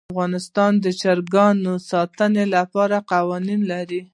افغانستان د چرګان د ساتنې لپاره قوانین لري.